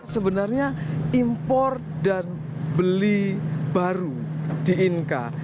sebenarnya impor dan beli baru di inka